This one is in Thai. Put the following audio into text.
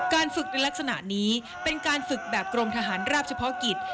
ฝึกในลักษณะนี้เป็นการฝึกแบบกรมทหารราบเฉพาะกิจ